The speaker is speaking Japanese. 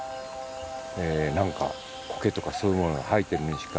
何かコケとかそういうものが生えてるようにしか見えません。